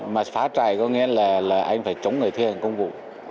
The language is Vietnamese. mà xá trại có nghĩa là anh phải chống người thi hành công vụ